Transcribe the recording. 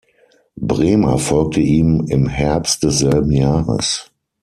Brehmer folgte ihm im Herbst desselben Jahres.